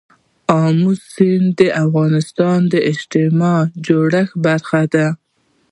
آمو سیند د افغانستان د اجتماعي جوړښت برخه ده.